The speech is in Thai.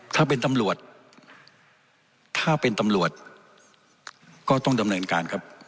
ถ้าเป็นตำรวจถ้าเป็นตำรวจก็ต้องดำเนินการครับ